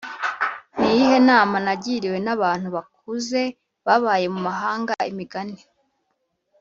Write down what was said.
Ni iyihe nama nagiriwe n abantu bakuze babaye mu mahanga Imigani